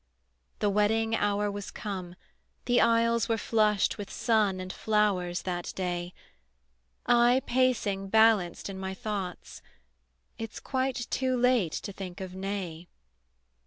The wedding hour was come, the aisles Were flushed with sun and flowers that day; I pacing balanced in my thoughts, "It's quite too late to think of nay."